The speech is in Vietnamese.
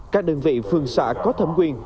các đơn vị phương xã có thẩm quyền